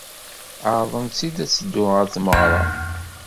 Ɛerḍen-tt-id ad teddu ɣer tmeɣra.